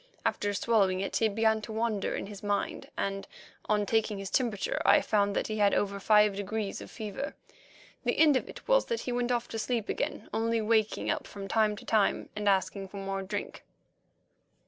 After swallowing it he began to wander in his mind, and, on taking his temperature, I found that he had over five degrees of fever. The end of it was that he went off to sleep again, only waking up from time to time and asking for more drink.